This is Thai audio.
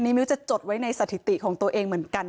มิ้วจะจดไว้ในสถิติของตัวเองเหมือนกัน